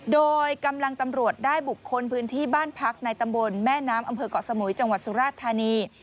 โดยกำลังตำรวจได้บุคคลพื้นที่บ้านพักในตำบลแม่น้ำอำเภอกเกาะสมุยจังหวัดสุราชธานี